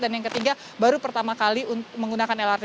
dan yang ketiga baru pertama kali menggunakan lrt